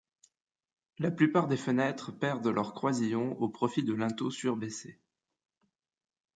La plupart des fenêtres perdent leurs croisillons au profit de linteaux surbaissés.